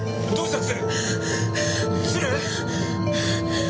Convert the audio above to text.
鶴！？